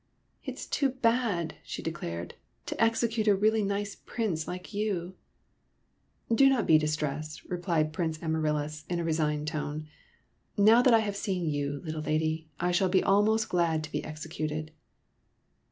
*' It is too bad," she declared, '' to execute a really nice Prince like you !"" Do not be distressed," replied Prince Amaryllis, in a resigned tone. " Now that I have seen you, little lady, I shall be almost glad to be executed."